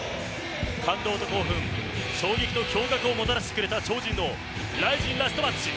感動と興奮衝撃をもたらしてくれた超人のＲＩＺＩＮラストマッチ。